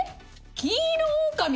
キンイロオオカミ。